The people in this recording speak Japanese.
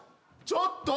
ちょっと！